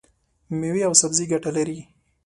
مېوې او سبزي ګټه لري.